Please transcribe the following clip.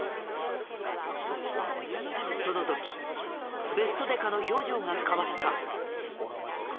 その時ベストデカの表情が変わった。